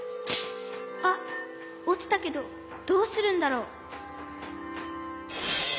こころのこえあっおちたけどどうするんだろう？